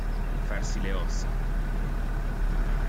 Farsi le ossa.